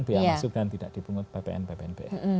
biaya masuk dan tidak dipungut bpn bpnb